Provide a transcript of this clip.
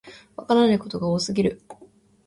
わからないことが多すぎる